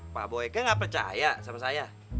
pak boyke gak percaya sama saya